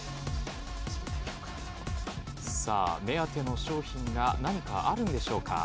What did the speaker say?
さあ目当ての商品が何かあるんでしょうか。